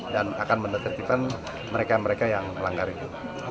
dan akan menetretikkan mereka mereka yang melanggar itu